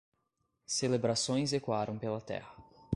Celebrações ecoaram pela terra.